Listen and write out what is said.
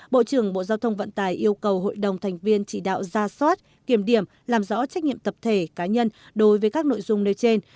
bộ trưởng bộ giao thông vận tải yêu cầu hội đồng thành viên chỉ đạo ra soát kiểm điểm làm rõ trách nhiệm tập thể cá nhân đối với các nội dung nêu trên